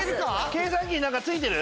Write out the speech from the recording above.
計算機ついてる？